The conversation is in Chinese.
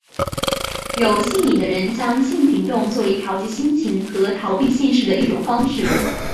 有性瘾的人将性行动作为调节心情和逃避现实的一种方式。